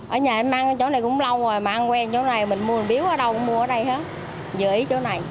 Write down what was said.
ở nhà em ăn chỗ này cũng lâu rồi mà ăn quen chỗ này mình mua biếu ở đâu cũng mua ở đây hết dưới chỗ này